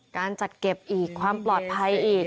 การจัดเก็บอีกความปลอดภัยอีก